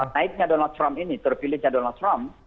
naiknya donald trump ini terpilihnya donald trump